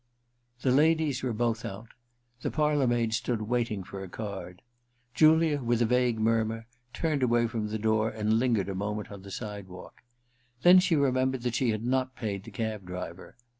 The ladies were both out ... the parlour maid stood waiting for a card. Julia, with a vague murmur, turned away from the door and lingered a moment on the sidewalk. Then she remembered that she had not paid the cab driver.